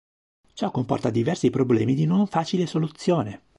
Ciò comporta diversi problemi di non facile soluzione.